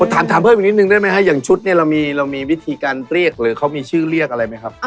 ถามเพิ่มอีกนิดนึงได้ไหมฮะอย่างชุดเนี่ยเรามีวิธีการเรียกหรือเขามีชื่อเรียกอะไรไหมครับ